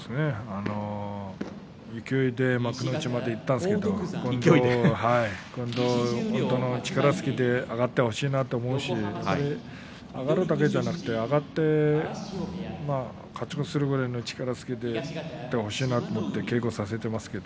勢いで幕内までいったんですけども本当の力をつけて今度は上がってほしいと思うし上がるだけじゃなくて上がって勝ち越しするくらいの力をつけてほしいと思って稽古をさせています。